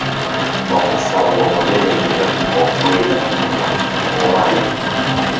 Musango munene nnyo okwerimbika mu banno.